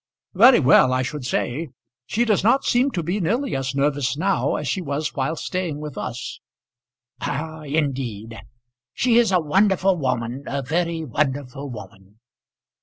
"Very well I should say. She does not seem to be nearly as nervous now, as she was while staying with us." "Ah! indeed. She is a wonderful woman, a very wonderful woman.